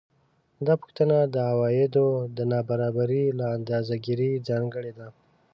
دا پوښتنه د عوایدو د نابرابرۍ له اندازه ګیرۍ ځانګړې ده